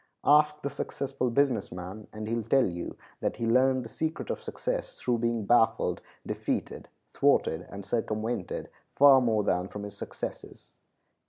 Ask the successful business man, and he will tell you that he learned the secret of success through being baffled, defeated, thwarted, and circumvented, far more than from his successes.